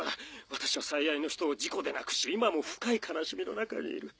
私は最愛の人を事故で亡くし今も深い悲しみの中にいる。